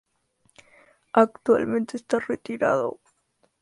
Actualmente está retirado.